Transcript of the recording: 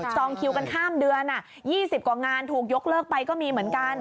จองคิวกันข้ามเดือน๒๐กว่างานถูกยกเลิกไปก็มีเหมือนกัน